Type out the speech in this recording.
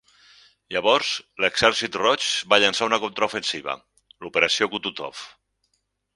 Llavors, l'Exèrcit Roig va llançar una contraofensiva, l'operació Kutuzov.